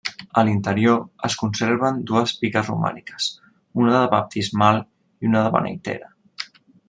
A l'interior es conserven dues piques romàniques, una de baptismal i una de beneitera.